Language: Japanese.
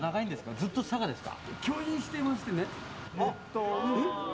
ずっと佐賀ですか。